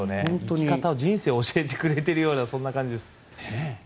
生き方、人生を教えてくれているようなそんな感じです。